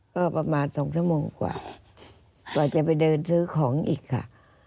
ก็ประมาณ๒ชั่วโมงกว่ากว่าจะไปเดินซื้อของอีกค่ะ